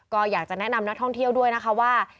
ก็อยากจะแนะนำนักท่องเที่ยวด้วยนะคะว่า